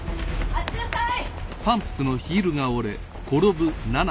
待ちなさい！